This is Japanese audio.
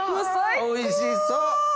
おいしそっ！